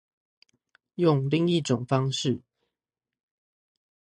用另一種方式